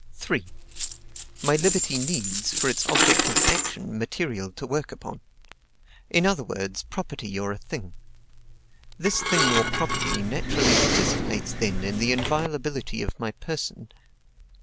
"3. My liberty needs, for its objective action, material to work upon; in other words, property or a thing. This thing or property naturally participates then in the inviolability of my person.